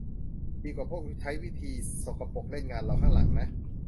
ดีกว่าพวกใช้วิธีสกปรกเล่นงานเราข้างหลังนะ